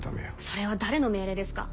それは誰の命令ですか？